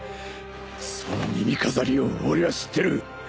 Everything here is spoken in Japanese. その耳飾りを俺は知ってる。